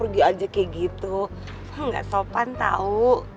gak sopan tau